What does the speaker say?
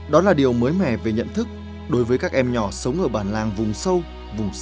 đó là điều mới mẻ về nhận thức đối với các em nhỏ sống ở bản làng vùng sâu vùng xa như ly và các em cùng phòng